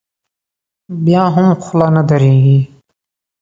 بیا هم خوله نه درېږي.